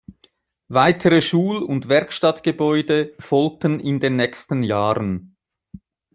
Weitere Schul- und Werkstattgebäude folgten in den nächsten Jahren.